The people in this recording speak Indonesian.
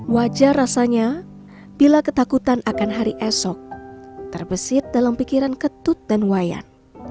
wajar rasanya bila ketakutan akan hari esok terbesit dalam pikiran ketut dan wayan